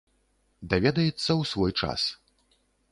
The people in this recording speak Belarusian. Даведаецца ў свой час.